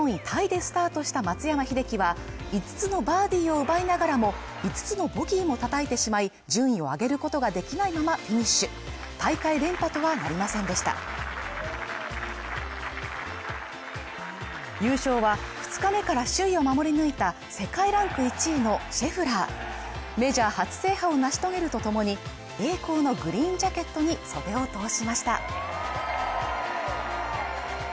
タイでスタートした松山英樹は５つのバーディーを奪いながらも５つのボギーも叩いてしまい順位を上げることができないままフィニッシュ大会連覇とはなりませんでした優勝は２日目から首位を守り抜いた世界ランク１位のシェフラーメジャー初制覇を成し遂げるとともに栄光のグリーンジャケットに袖を通しました